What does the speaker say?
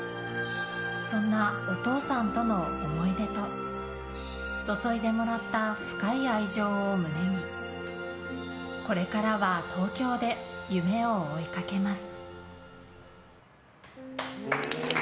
そんなお父さんとの思い出と注いでもらった深い愛情を胸にこれからは東京で夢を追いかけます。